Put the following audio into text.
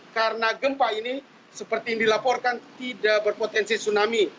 karena gempa ini seperti yang dilaporkan tidak berpotensi tsunami